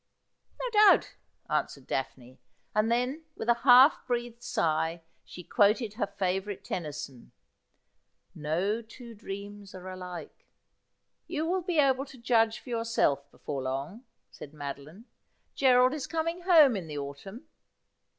' No doubt,' answered Daphne, and then, with a half breathed sigh, she quoted her favourite Tennyson. ' No two dreams are alike.' ' You will be able to judge for yourself before long,' said Madoline ;' Gerald is coming home in the autumn.'